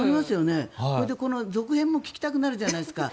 続編も聞きたくなるじゃないですか。